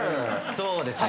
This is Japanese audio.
そうですね。